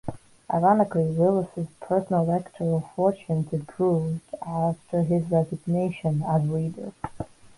Ironically, Willis's personal electoral fortunes improved after his resignation as leader.